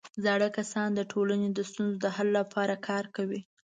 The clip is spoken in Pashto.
زاړه کسان د ټولنې د ستونزو د حل لپاره کار کوي